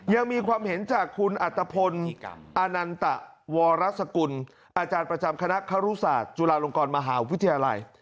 ยังมีความเห็นจากคุณอัตภพลอานันตะวรสกุลอาจารย์ประจำคณะคารุศาสตร์จุฬาลงกรมหาวิทยาลัย